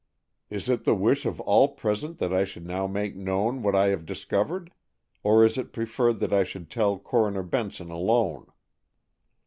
Is it the wish of all present that I should now make known what I have discovered, or is it preferred that I should tell Coroner Benson alone?"